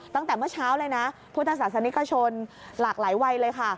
ตั้งแต่เมื่อเช้าเลยนะพุทธศาสนิกชนหลากหลายวัยเลยค่ะ